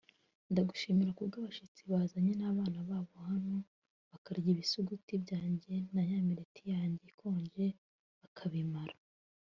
ndagushimira ku bw’abashyitsi bazanye n’abana babo hano bakandya ibisuguti byanjye na yawuruti yanjye ikonje bakabimara